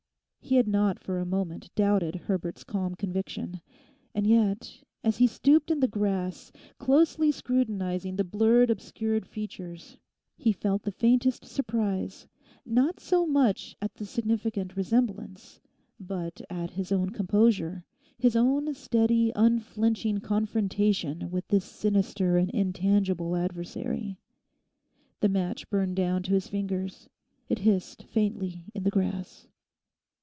He had not for a moment doubted Herbert's calm conviction. And yet as he stooped in the grass, closely scrutinising the blurred obscure features, he felt the faintest surprise not so much at the significant resemblance but at his own composure, his own steady, unflinching confrontation with this sinister and intangible adversary. The match burned down to his fingers. It hissed faintly in the grass.